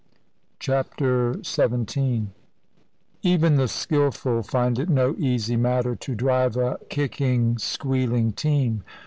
CHAPTER XVII Even the skilful find it no easy matter to drive a kicking, squealing team.